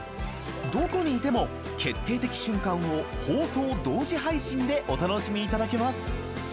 どこにいても決定的瞬間を放送同時配信でお楽しみいただけます。